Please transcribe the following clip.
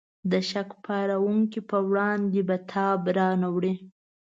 د شک پارونکو په وړاندې به تاب را نه وړي.